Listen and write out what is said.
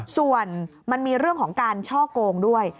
ส่วนมันมีเรื่องของการช่อกงด้วย